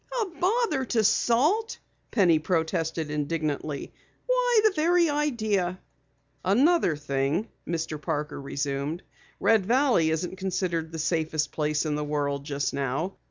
"A bother to Salt!" Penny protested indignantly. "Why, the very idea!" "Another thing," Mr. Parker resumed, "Red Valley isn't considered the safest place in the world just now.